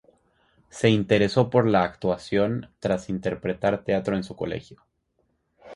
Se interesó por la actuación tras interpretar teatro en su colegio.